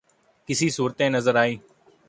کیسی صورتیں نظر آئیں؟